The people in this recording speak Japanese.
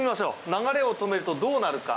流れを止めるとどうなるか？